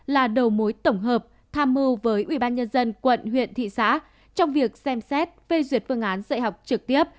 là đầu mối tổng hợp tham mưu với ủy ban nhân dân quận huyện thị xã trong việc xem xét phê duyệt phương án dạy học trực tiếp